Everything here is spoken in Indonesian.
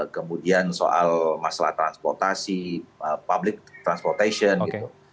kemudian soal masalah transportasi public transportation gitu